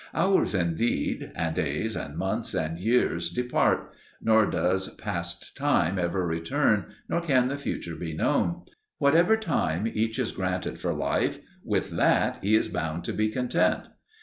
Hours indeed, and days and months and years depart, nor does past time ever return, nor can the future be known. Whatever time each is granted for life, with that he is bound to be content.